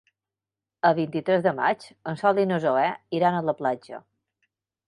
El vint-i-tres de maig en Sol i na Zoè iran a la platja.